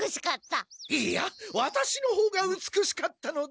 いいやワタシのほうがうつくしかったのだ！